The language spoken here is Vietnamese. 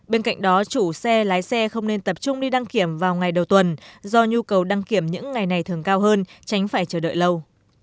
bên cạnh đó chủ xe lái xe không nên tập trung đi đăng kiểm vào ngày đầu tuần do nhu cầu đăng kiểm những ngày này thường cao hơn tránh phải chờ đợi lâu